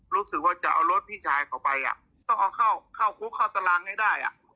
รู้สึกว่าจะเอารถพี่ชายเขาไปอ่ะต้องเอาเข้าคุกเข้าตารางให้ได้